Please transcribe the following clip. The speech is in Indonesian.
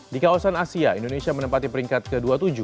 di kawasan asia indonesia menempati peringkat ke dua puluh tujuh